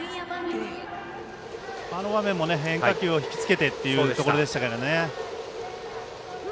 あの場面も変化球を引き付けてというところでしたからね。